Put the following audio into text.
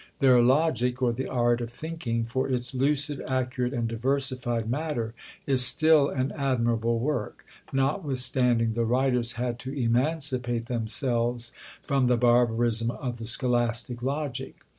Their "Logic, or the Art of Thinking," for its lucid, accurate, and diversified matter, is still an admirable work; notwithstanding the writers had to emancipate themselves from the barbarism of the scholastic logic.